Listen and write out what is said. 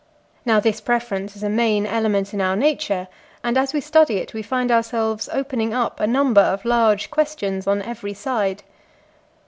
Now this preference is a main element in our nature, and as we study it we find ourselves opening up a number of large questions on every side.